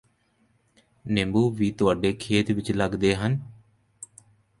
ਨੇਬੂ ਵੀ ਤੁਹਾਡੇ ਖੇਤ ਵਿਚ ਲੱਗਦੇ ਹਨ